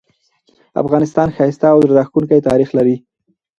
افغانستان ښایسته او زړه راښکونکې تاریخ لري